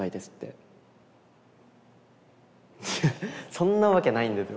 そんなわけないんですよ。